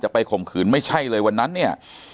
ไปข่มขืนไม่ใช่เลยวันนั้นเนี่ย